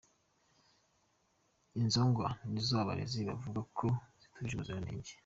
Inzo ngwa ni zo abarezi bavuga ko zitujuje ubuziranenge.